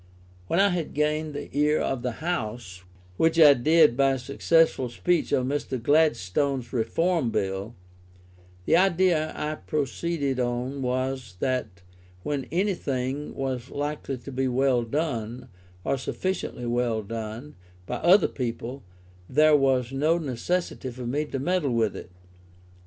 When I had gained the ear of the House, which I did by a successful speech on Mr. Gladstone's Reform Bill, the idea I proceeded on was that when anything was likely to be as well done, or sufficiently well done, by other people, there was no necessity for me to meddle with it.